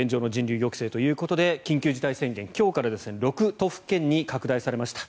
抑制ということで緊急事態宣言、今日から６都府県に拡大されました。